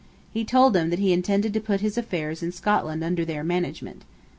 He told them that he intended to put his affairs in Scotland under their management.